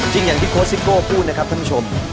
อย่างที่โค้ชซิโก้พูดนะครับท่านผู้ชม